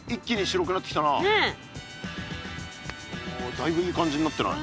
だいぶいい感じになってない？